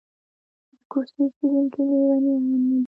د کوڅې اوسېدونکي لېونیان نه دي.